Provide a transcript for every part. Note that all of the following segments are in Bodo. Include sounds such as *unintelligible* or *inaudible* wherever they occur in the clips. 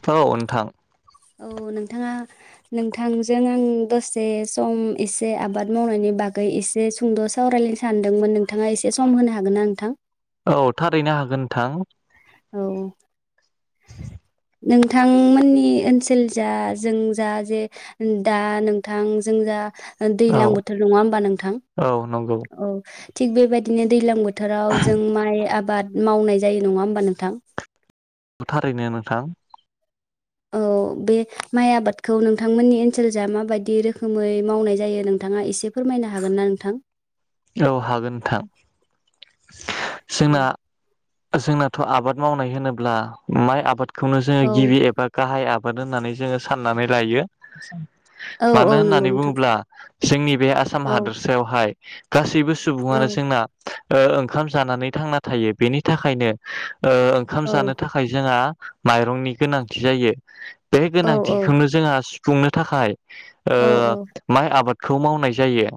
औ नोंथां औ नोंथाङा नोंथांजों आं दसे सम एसे आबाद मावनायनि बागै एसे सुंद' सावरायलायनो सानदोंमोन नोंथाङा एसे सम होनो हागोन ना नोंथां औ थारैनो हागोन नोंथां। औ। नोंथांमोननि ओनसोल जा जों जा जे दा नोंथां जों जा औ दैलां बोथोर नङा होमबा नोंथां औ नंगौ औ। थिग बेबायदिनो दैज्लां बोथ थोराव जों माइ आबाद मावनाय जायो नङा होमबा नोंथां? थारैनो नोंथां। औ बे माइ आबादखौ नोंथांमोननि ओनसोलजा माबायदि रोखोमै मावनाय जायो नोंथाङा एसे फोरमायनो हागोन ना नोंथां? औ हागोन नोंथां। जोंना जोंनाथ' आबाद मावनाय होनोब्ला माइ आबाद खौनो जोङो औ गिबि एबा गाहाय आब बाद होननानै जोङो साननानै लायो। औ मानो औ नंगौ होननानै नोंथां बुङोब्ला जोंनिब बे आसाम औ हादोरसायावहाय सैबो औ सुबुङानो जोंना ओ ओंखाम जानानै थांना थायो बेनि थाखायनो ओ ओंखाम औ जानो थाखाय जोंहा माइरंनि गोनांथि जायो। बे औ औ गोनांथिखौनो जोंहा सु फुंनो थाखाय ओ औ माय आबाद खौ मावनाय जायो।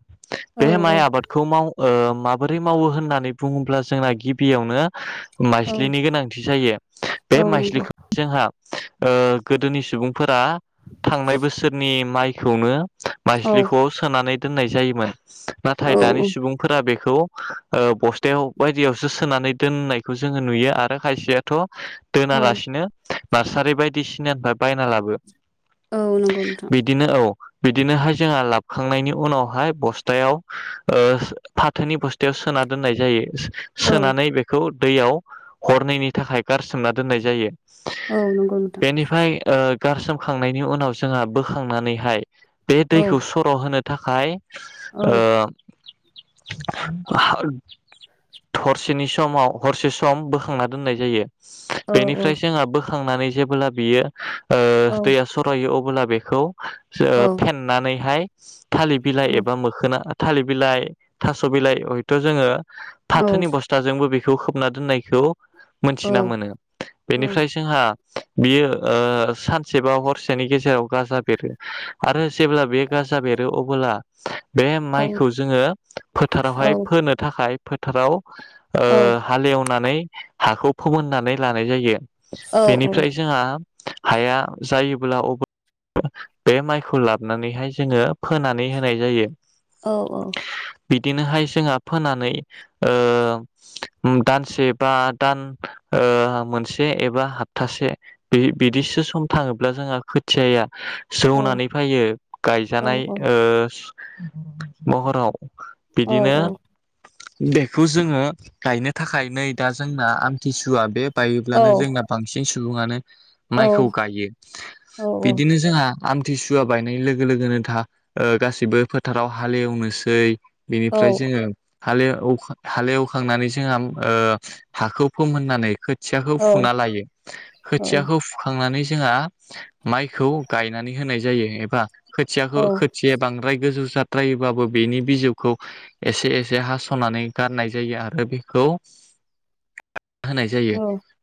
औ बे माय आबाद खौ ओ माबोरै मावो होननानै बुङोब्ला जोंना गिबियावनो औ माइज्लिनि गोनांथि जायो औ बे नंगौ माइज्लिखौ जोंहा ओ गोदोनि सुबुं फोरा थांनाय बोसोरनि मायखौनो औ माइज्लिखौ सोनानै दोननाय जायोमोन। औ दानि सुबुंफोरा बेखौ ओ बस्थायाव बायदियावसो सोनानै दोननायखौ जोङो नुयो। आरो खायसेयाथ' औ दोनालासिनो नार्सारि बायदिसिनानिफ्राय बायना लाबो औ नंगौ नोंथां। बिदिनो औ बिदिनोहाय जोंहा लाबखांनायनि उनावहाय बस्थायाव ओ फाथोनि बस्थायाव सोना दोननाय जायो। औ सोनानै बेखौ दैयाव हरनैनि थाखाय गारसोमना दोननाय जायो। औ नंगौ नोंथां। बेनिफ्राय ओ गारसोमखांनायनि उनाव जोंहा बोखांनानैहाय बे औ दैखौ सर' होनो थाखाय औ ओ हरसेनि समाव हरसे सम बोखांना दोननाय जायो। औ बेनिफ्राय जोंहा बोखांनानै जेबोब्ला बेयो ओ औ दैया सरायो अ ब्ला बेखौ सो औ फेनानैहाय थालिर बिलाइ एबा मोखोना थालिर बिलाइ थास' बिलाइ हयथ' जोङो फाथोनि बस्थाजोंबो बे खौ खोबना दोननायखौ मोनथिना मोनो। बेनिफ्राय जोंहा बियो ओ सानसेबा हर से नि गेजेराव गाजा बेरो आरो जेब्ला बे गाजा बेरो अबोला बे खौ जोङो फोथारावहाय फोनो थाखाय फोथाराव ओ हालेवनानै हाखौ फोमोननानै लानाय जायो। बेनिफ्राय जोंहा हाया जायोब्ला *unintelligible* बे माइखौ लाबोनानैहाय जोङो फोनानै होनाय जायो। औ औ। बिदिनोहाय जोंहा फोनानै ओ दानसे बा दान ओ मोनसे एबा हाप्तासे बिदि बिदिसो सम थाङोब्ला जोंहा खोथियाया जौनानै नंगौ फैयो गायजानाय ओ *inaudible* *inaudible* महराव। औ बिदिनो औ। बेखौ जोङो गायनो थाखाय नै दा जोंना टिसुवआ बे बायोब्लानो जोंना बांसिन सुबुङानो माइखौ गायो। बिदिनो जोंहा आमथि सुवा बायनाय लोगो लोगोनोथा गासिबो फोथाराव हालेवनोसै बेनिफ्राय जोङो हालेव हालेवखांनानै जोंहा ओ हाखौ फोमोननानै खोथियाखौ फुना लायो खोथियाखौ फुखांनानै जोंहा माइखौ गायनानै होनाय जायो एबा खोथियाखौ खोथिया बांद्राय गोजौ जाद्रायोबो बेनि बिजौखौ एसे एसे हास'नानै गारनाय जायो आरो बेखौ होनाय जायो।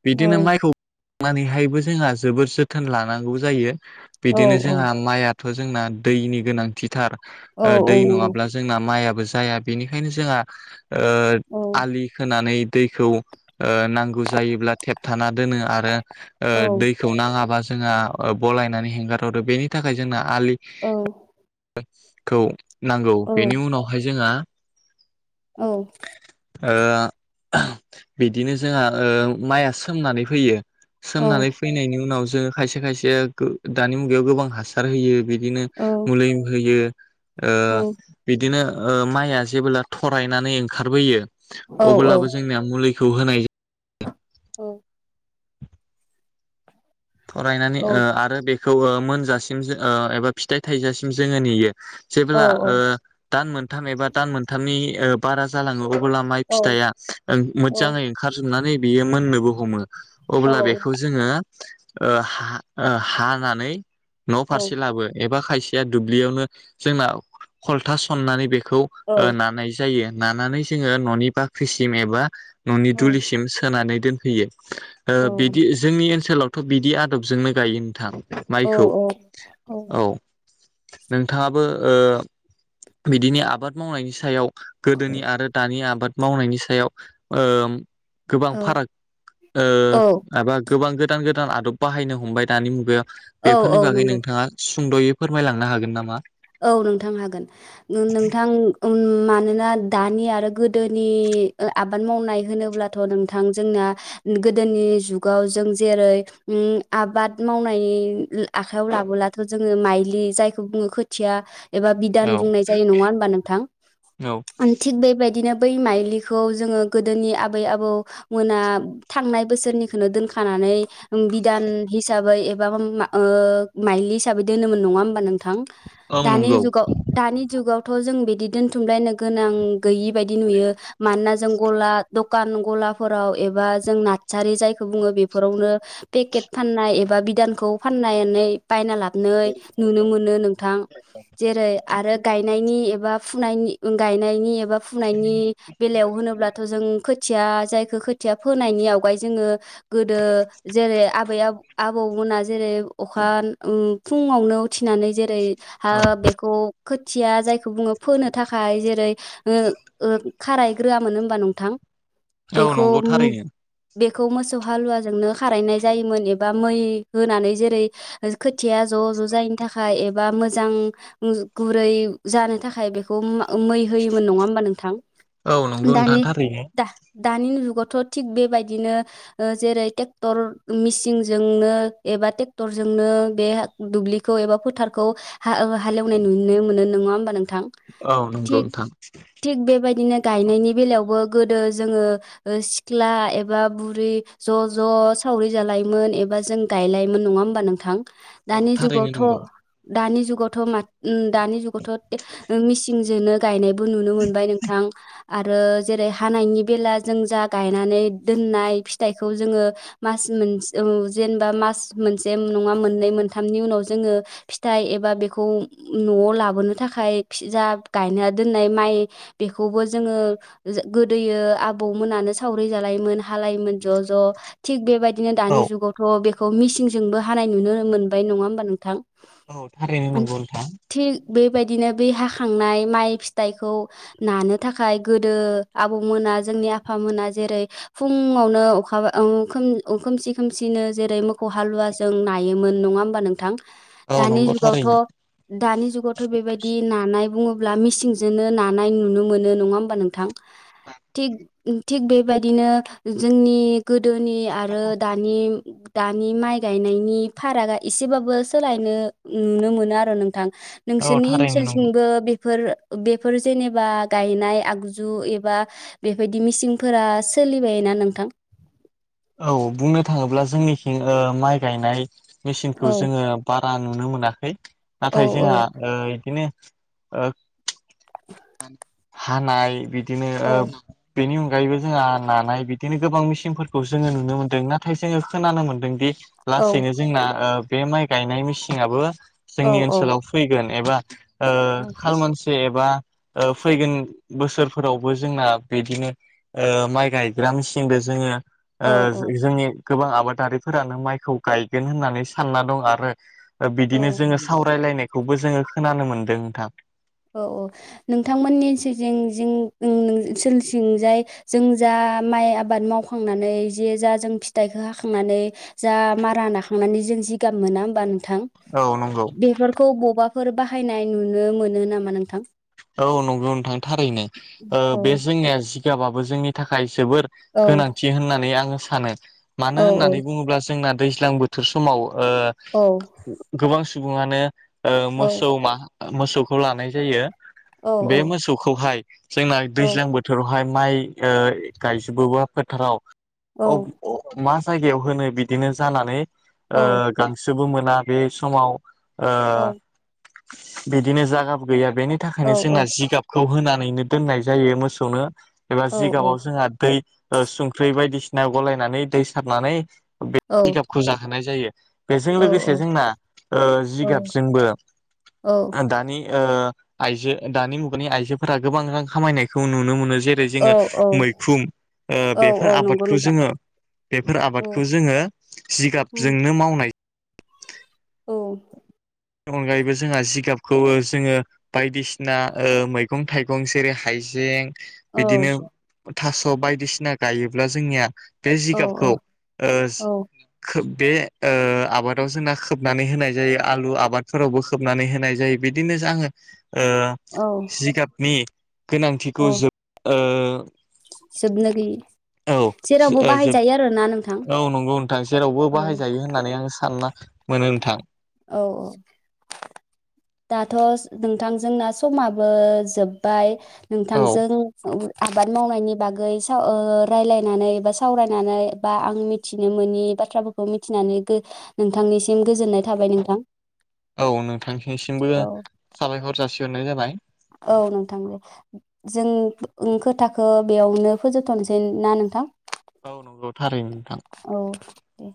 बिदिनो माइखौ मोननैहायबो जोंहा जोबोद जोथोन लानांगौ जायो। बिदिनो जोंहा माइआथ' जोंना दैनि गोनांथिथार। ओ दै नङाब्ला जोंना माइआ बो जाया बेनिखायनो जोंहा ओ आलि खोनानै दैखौ ओ नांगौ जायोब्ला थेबथाना दोनो आरो ओ औ दैखौ नाङाबा जोंहा ओ बलायनानै हेंगारहरो बेनि थाखाय जोंना आलि औ औ खौ नांगौ। औ बेनि उनावहाय जोंहा औ। ओ। बिदिनो जोंहा ओ माइआ सोमनानै होयो। औ सोमनानै फैनायनि उनाव जोङो खायसे खायसे जे गो दानि मुगायाव गोबां हासार होयो बि बिदिनो औ मुलि होयो ओ औ बिदिनो ओ माइआ जेबोला थरायनानै ओंखारबोयो। औ औ अब्लाबो जोंनिया मुलिखौ होनाय जाय औ। थरायनानै औ ओ आरो बे खौ ओ मोनजासिम जो ओ एबा फिथाइ थाइजासिम जोङो नेयो। औ जेब्ला औ ओ दान मोनथाम एबा दान मोनथामनि ओ बारा जालाङोऔ अब्ला माइ फिथाइआ ओ मोजाङै ओंखारजोबनानै बियोमोननोबो हमो औ अब्ला बेखौ जोङो ओ हा हानानै न' फारसे लाबो एबा खायसेया दुब्लियावनो जोंना खलथा सननानै बे खौ ओ नानाय जायो। नानानै जोङो न'नि बाख्रिसिम एबा न'नि दुलिसिम सोनानै दोनफैयो। ओ बिदि जोंनि ओनसोलाव थ' बिदि आदबजोंनो गायो नोंथां। माइखौ औ। नोंथाङाबो ओ बिदिनो आबाद मावनायनि सायाव गोदोनि आरो दानि आबाद मावनायनि सायाव ओ गोबां फाराग ओ माबा गोबां गोदान गोदान आदब बाहायनो हमबाय दानि मुगायाव औ औ बेफोरनि बागै नंगौ नोंथाङा सुंद'यै फोरमायलांनो हागोन नामा? औ नोंथां हागोन। नो नोंथां ओम मानोना दानि आरो गोदोनि ओ आबाद मावनाय होनोब्लाथ' नोंथां जोंना गोदोनि जुगाव जों जेरै उम आबाद मावनायनि आखाइयाव लाबोलाथ' जोङो माइलि जायखौ बुङो *unintelligible* *unintelligible* एबा बिधान औ बुंनाय जायो नङा होनबा नोंथां औ थिग बेबायदिनो बै माइलिखौ जोङो गोदोनि आबै- आबौ मोना थांनाय बोसोरनिखौनो दोनखानानै। बिधान हिसाबै ओ माइलि हिसाबै दोनोमोन नङा होमबा नोंथां। औ दानि नंगौ जुगाव दानि जुगाव थ' जों बिदि दोनथुमलायनो गोनां गैयि बायदि नुयो मानोना जों गला *unintelligible* दखान गलाफोराव एबा जों नारसारि जायखौ बुङो बेफोरावनो पेकेट फाननाय एबा बिदानखौ फाननानै बायना लाना नै नुनो मोनो नोंथां। जेरै आरो गायनायनि एबा फुनायनि -गायनायनि एबा फुनायनि बेलायाव होनोब्लाथ' जों खोथिया जायखो खोथिया फोनायनि आवगाय जोङो गोदो जेरै आबै आ आबौमोना जेरै अखा उम फुङावनो उथिनानै जेरै आ औ बेखौ खोथिया जायखौ बुङो फोनो थाखाय जेरै ओ खारायग्रोआमोन होमबा *unintelligible* *unintelligible* औ बेखौ नंगौ थारैनो। बेखौ मोसौ हालुवाजोंनो खारायनाय जायोमोन एबा मै होनानै जेरै खोथिया ज' ज' जायैनि थाखाय बा *unintelligible* *unintelligible* गुरै जानो थाखाय बे *unintelligible* मै होयोमोन नङा होमबा नोंथां औ नंगौ नोंथां थारैनो दानि *unintelligible* थिग बेबायदिनो ओ जेरै ट्रेक्टर मेसिनजोंनो एबा ट्रेक्टरजोंनो बे दुब्लिखौ एबा फोथारखौ हा ओ हालेवनाय नुनो मोनो नङा होमबा नों औ नंगौ थिग- नोंथां थिग बेबायदिनो गायनायनि बेलायावबो गोदो जोङो ओ सिख्ला एबा बुरि ज' ज' सावरि जालायोमोन एबा जों गायलायोमोन नङा होमबा नोंथां? औ दानि थारैनो जुगावथ' नंगौ दानि गथ' मा उम दानि जुगाव थ' ओ मेसिन जोनो गायनायबो नुनो मोनबाय नोंथां आरो जेरै हानायनि बेला जों जा गायनानै दोननाय फिथाइखौ जोङो मास मोन उम जेनेबा मास मोनसे नङा मोननै मोनथामनि उनाव जोङो फिथा एबा बे खौ न'आव लाबोनो थाखाय फि जा गायना दोननाय माइ बेखौबो जोङो गोदोयो आबौमोनानो सावरि जालायोमोन हालायोमोन ज' ज' थिग बेबाय दिनो औ दानि जुगावथ' बे खौ मिसिंजोंबो हानाय नुनो मोनबाय नङा होमबा नोंथां? औ थारैनो नंगौ नोंथां बायदिनो बै हाखांनाय माइ फिथाइखौ नानो थाखाय गोदो आबौमोना जोंनि आफामोना जेरै फुंङावनो अखाबा ओ खोमसि खोमसिनो जेरै मोखौ हालुवाजों नायोमोन नङा होमबा नोंथां। औ नंगौ थारै थ' दानि जुगावथ' बेबायदि नानाय बुङो ब्ला मेचिनजोंनो नानाय नुनो मोनो नङा होमबा नोंथां थि थिक बेबायदिनो जोंनि गोदोनि आरो दानि दानि माइ गायनायनि फारागा एसेबाबबो सोलायनो नुनो मोनो आरो नोंथां औ नोंसोरनि थारैनो नंगौ ओनसोलथिंबो बे फोर बेफोर जेनेबा गायनाय आगजु एबा बेबायदि मिसिंफोरा सोलिबाय ना नोंथां। औ बुंनो थाङोब्ला जोंनिखिं माइ गायनाय मेसिनखौ औ जोङो बाद बा नुनो मोनाखै औ नाथाय औ जोंहा ओ इदिनो ओ *inaudible* हानाय बि दिनो ओ औ बेनि उ खायबो जोंहा नानाय बिदिनो गोबां मेसिनफोर खौ जोङो नुनो मोन्दों ना थाय जोङो खोनानो मोन्दोंदि औ लासैनो जोंना ओ बे माइ गायनाय मेसिंआबो औ जोंनि ओनसोलाव फैगोन एबा ओ खालमानसि एबा ओ फैगोन बोसोरफोरावबो जोंना बिदिनो ओ माइ गायग्रा मेसिनदो जोङो ओ औ औ जो जोंनि गोबां आबादारिफोरानो माइखौ गायगोन होननानै सानना दं आरो ओ बिदिनो औ जोङो सावरायलायनाय खौबो जोङो खोनानो मोन्दों नोंथां औ औ नोंथांमोननि ओनसोलजों जनसोलथिंजाय जों जा माइ आबाद मावखांनानै जे जा जों फिथाइखौ हाखांनानै जा मारा नाखांनानै जों जिगाब मोना होमबा नों थां औ नंगौ बेफोरखौ बबेबा फोर बाहायनाय नुनो मोनो नामा? नामा नोंथां औ नंगौ नोंथां थारैनो ओ औ बे जोंनिया जि गाबाबो जोंनि थाखाय जोबोर औ गोनांथि होननानै आङो सानो औ मानो होननानै बुङोब्ला जोंना दैज्लां बोथोर समावो औ ओ गोबां सुबुङानो ओ मोसौ औ मा मोसौ खौ लानाय जायो औ बे मोसौखौहाय जोंना औ दैज्लां बोथोरावहाय माइ ओ गायजोबोबा फोथाराव औ मा जायगायाव होनो बिदिनो जानानै ओ औ गांसोबो मोन मोना बे समाव ओ औ बिदिनो जागाबो गैया बेनो नि थाखायनो औ जोंना जिगाब खौ होनानैनो दोननाय जायो मोसौनो एबा औ जिगाबाव जोंहा दै ओ संख्रि बायदिसिना गलायनानै दै सारनानै बे औ जिगाबखौ जाहोनाय जायो बेजों लोगोसे जोंना ओ जिगाबजोंबो दानि ओ आयजो दानि मुगानि आइजोफोरा गोबां रां खामायनायखौ नुनो मोनो जेरै जोङो औ औ मैखुम ओ औ औ बेफोर नंगौ आबादखौ नोंथां जोङो बेफोर औ आबादखौ जोङो औ जिगाबजोंनो मावनाय औ नि अनगायैबो जोंहा जिगाबखौ जोङो बायदिसिना ओ मैगं थाइगं जेरै हाइजें औ बिदिनो थास' बायदिसिना गायोब्ला जोंनिया बे औ जिगाबखौ औ ओ औ खोब बे ओ आबादाव जोंना खोबनानै होनाय जायो आलु आ बादफोरावबो खोबनानै होनाय जायो बिदिनो जा आङो ओ औ जिगाबनि गोनांथिखौ औ जोब ओ *unintelligible* जोबनो गैयि औ जेरावबो ओ जोब बाहायजायो आरोना नोंथां औ नंगौ नोंथां जेरावबो औ बाहायजायो होननानै आं सानना मोनो नोंथां। औ औ। दाथ' नोंथां जोंना समाबो जोब्बाय औ नोंथांजों आबाद मावनायनि बागै सा ओ रायलायनानै बा सावरायनानै बा आं मिथिनो मोनोनि बाथ्राफोरखौ मिथिनानै गो नोंथांनिसिम गोजोननाय थाबाय नोंथां। औ बो साबायखर जासिहरनाय जाबाय। औ नोंथां दे जों खोथाखो बेयावनो फोजोबथ'नोसै ना नोंथां? औ नंगौ थारैनो नोंथां। औ दे